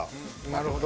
なるほど。